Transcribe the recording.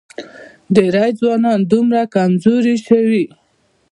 ډېری ځوانان دومره کمزوري شوي